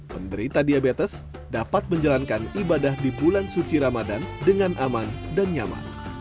penderita diabetes dapat menjalankan ibadah di bulan suci ramadan dengan aman dan nyaman